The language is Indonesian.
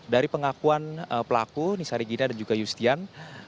dari pengakuan pelaku nisa rigina dan juga yustian